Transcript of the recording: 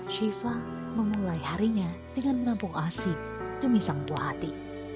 syifa memulai harinya dengan menampung asi demi sang buah hati